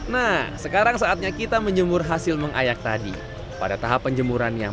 nah sekarang saatnya kita menjemur hasil mengayak tadi pada tahap penjemuran yang